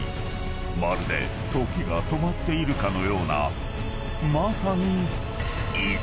［まるで時が止まっているかのようなまさに］